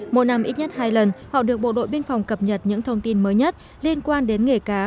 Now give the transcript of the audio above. mỗi năm ít nhất hai lần họ được bộ đội biên phòng cập nhật những thông tin mới nhất liên quan đến nghề cá